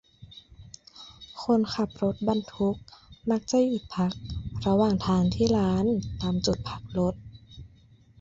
คนขับรถบรรทุกมักจะหยุดพักระหว่างทางที่ร้านตามจุดพักรถ